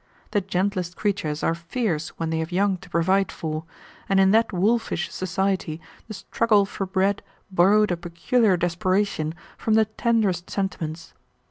The gentlest creatures are fierce when they have young to provide for, and in that wolfish society the struggle for bread borrowed a peculiar desperation from the tenderest sentiments.